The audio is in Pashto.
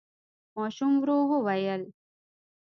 ماشوم ورو وويل: